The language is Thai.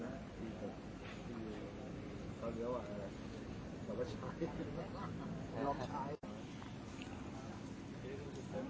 เมื่อ